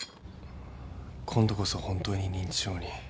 今度こそ本当に認知症に。